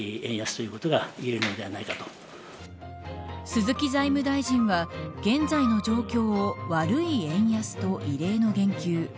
鈴木財務大臣は、現在の状況を悪い円安と異例の言及。